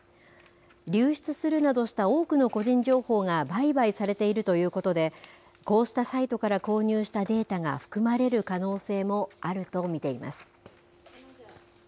流出するなどした多くの個人情報が売買されているということで、こうしたサイトから購入したデータが含まれる可能性もあると見ています。